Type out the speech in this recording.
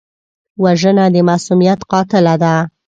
وژنه د معصومیت قاتله ده